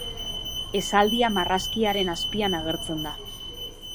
Esaldia marrazkiaren azpian agertzen da.